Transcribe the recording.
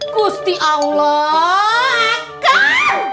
kusti allah akang